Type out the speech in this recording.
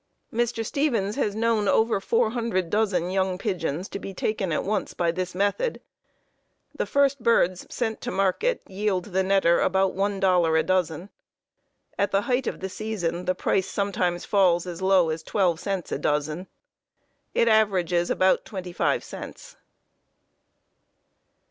Mr. Stevens has known over four hundred dozen young pigeons to be taken at once by this method. The first birds sent to market yield the netter about one dollar a dozen. At the height of the season the price sometimes falls as low as twelve cents a dozen. It averages about twenty five cents.